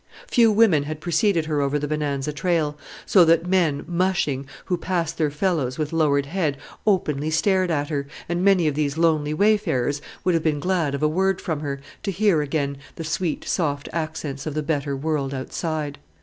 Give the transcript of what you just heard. Few women had preceded her over the Bonanza trail, so that men, "mushing," who passed their fellows with lowered head, openly stared at her; and many of these lonely wayfarers would have been glad of a word from her, to hear again the sweet soft accents of the better world outside.